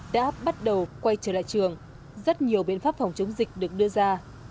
đã bắt đầu quay trở lại trường rất nhiều biện pháp phòng chống dịch được đưa ra